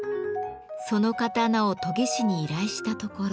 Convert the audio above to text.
その刀を研ぎ師に依頼したところ。